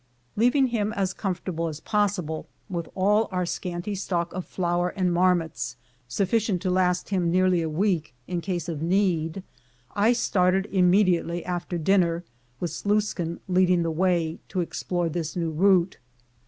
Leaving him as comfortable as possible, with all our scanty stock of flour and marmots, sufficient to last him nearly a week in case of need, I started imme diately after dinner, with Sluiskin leading the way, to explore this new route.